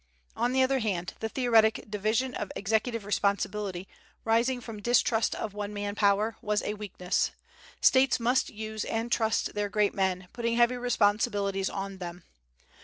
On the other hand, the theoretic division of executive responsibility, rising from distrust of one man power, was a weakness. States must use and trust their great men, putting heavy responsibilities on them.